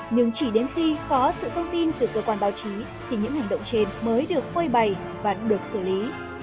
nhưng chỉ đến khi có sự thông tin từ cơ quan báo chí thì những hành động trên mới được phơi bày và được xử lý